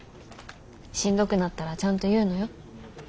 しんどくなったらちゃんと言うのよ。